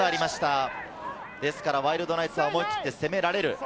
ワイルドナイツは思い切って攻められる。